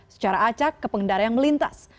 secara acak ke pengendara yang melintas